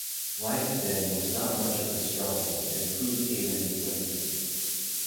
Life then was not much of a struggle and food came in plenty.